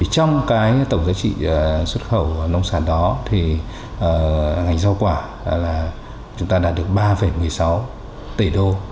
trong cái tổng giá trị xuất khẩu nông sản đó thì ngành rau quả là chúng ta đạt được ba một mươi sáu tỷ đô